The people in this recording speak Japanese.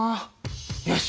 よし。